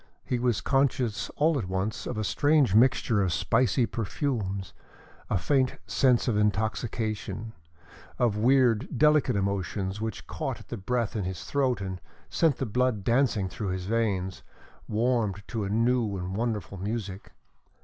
He was conscious all at once of a strange mixture of spicy perfumes, a faint sense of intoxication, of weird, delicate emotions which caught at the breath in his throat and sent the blood dancing through his veins, warmed to a new and wonderful music.